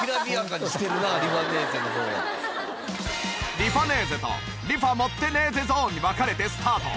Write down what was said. リファネーゼとリファ持ってネーゼゾーンに分かれてスタート。